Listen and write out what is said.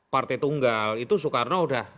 partai tunggal itu soekarno udah